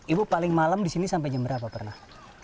ibu paling malam disini sampai jam berapa pernah